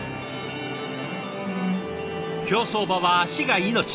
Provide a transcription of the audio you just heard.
競走馬は足が命！